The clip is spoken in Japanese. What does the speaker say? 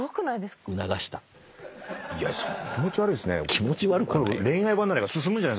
気持ち悪いですね。